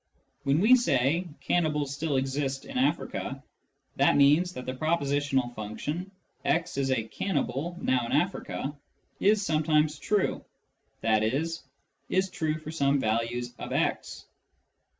When we say " cannibals still exist in Africa," that means that the pro positional function " x is a cannibal now in Africa " is sometimes true, i.e. is true for some values of x.